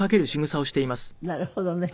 なるほどね。